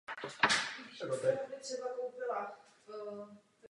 Je to třetí nejvyšší hora Brazílie a leží na hranici se státem Minas Gerais.